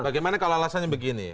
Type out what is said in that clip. bagaimana kalau alasannya begini